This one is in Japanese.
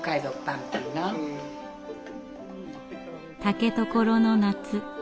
竹所の夏。